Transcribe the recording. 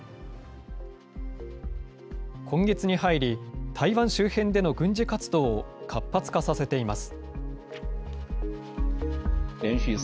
今月に入り、台湾周辺での軍事活動を活発化させています。